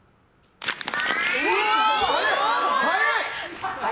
速い！